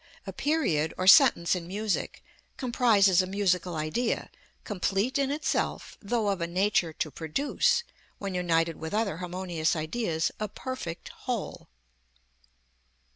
A period, or sentence, in music, comprises a musical idea, complete in itself, though of a nature to produce, when united with other harmonious ideas, a perfect whole.